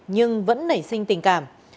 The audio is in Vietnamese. nhưng vẫn nảy sinh tình cảm